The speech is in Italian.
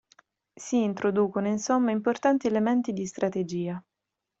Si introducono insomma importanti elementi di strategia.